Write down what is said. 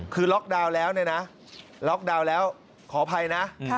คือล็อกดาวน์แล้วเนี่ยนะล็อกดาวน์แล้วขออภัยนะ